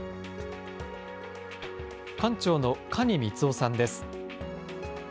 館長の可児光生さんです。